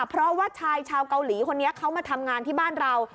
เพราะว่าชายชาวเกาหลีคนนี้เขามาทำงานที่บ้านเรา